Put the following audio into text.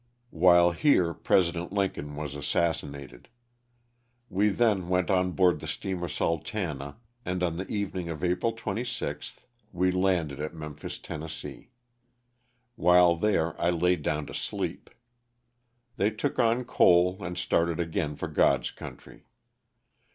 While here President Lincoln was assassinated. We then went on board the steamer ^' Sultana," and on the evening of April 26th we landed at Memphis, Tenn. While there I laid down to sleep. They took on coal and started again for God's country.